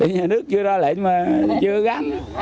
nhà nước chưa ra lệnh mà chưa gắn